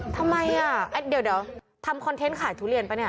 ทำไมอ่ะเดี๋ยวทำคอนเทนต์ขายทุเรียนปะเนี่ย